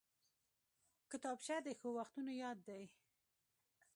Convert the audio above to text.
کتابچه د ښو وختونو یاد دی